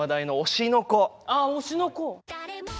あ「推しの子」。